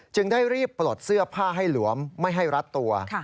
ได้รีบปลดเสื้อผ้าให้หลวมไม่ให้รัดตัว